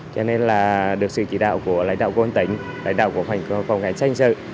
cho nên là được sự chỉ đạo của lãnh đạo công an tỉnh lãnh đạo của phòng cảnh sát hình sự